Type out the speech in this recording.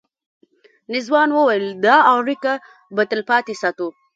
رضوان وویل دا اړیکه به تلپاتې ساتو.